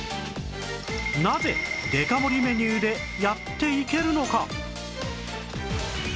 なぜデカ盛りメニューでやっていけるのか？